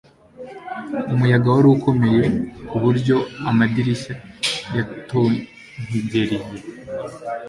umuyaga wari ukomeye kuburyo amadirishya yatonkigeriye